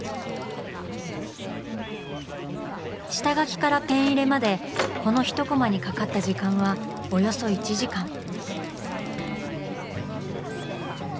下描きからペン入れまでこの１コマにかかった時間はおよそ１時間。